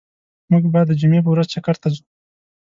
موږ به د جمعی په ورځ چکر ته ځو